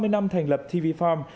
ba mươi năm thành lập tv farm